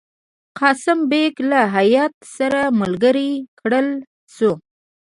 قاسم بیګ له هیات سره ملګری کړل شو.